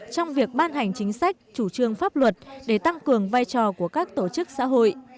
trong việc ban hành chính sách chủ trương pháp luật để tăng cường vai trò của các tổ chức xã hội